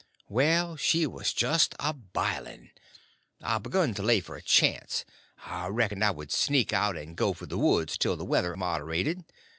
Well, she was just a biling. I begun to lay for a chance; I reckoned I would sneak out and go for the woods till the weather moderated.